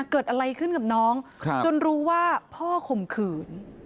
เกิดอะไรขึ้นกับน้องจนรู้ว่าพ่อข่มขืน